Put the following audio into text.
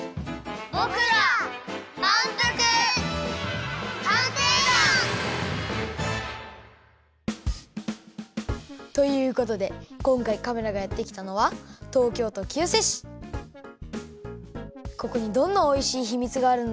ぼくらまんぷく探偵団！ということでこんかいカメラがやってきたのはここにどんなおいしいひみつがあるんだろう？